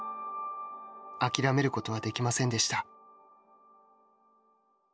諦めることはできませんでした。